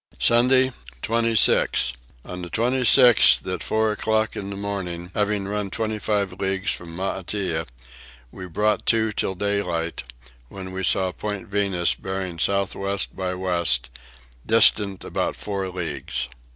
Sunday 26. On the 26th at four o'clock in the morning, having run twenty five leagues from Maitea, we brought to till daylight, when we saw Point Venus bearing south west by west, distant about four leagues.